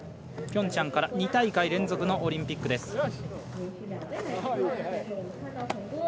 ピョンチャンから２大会連続のオリンピックです。